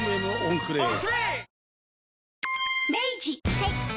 はい。